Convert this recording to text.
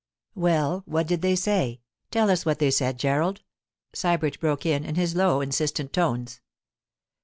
'Well, what did they say? Tell us what they said, Gerald,' Sybert broke in, in his low, insistent tones.